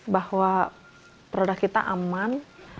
bahwa produk kita aman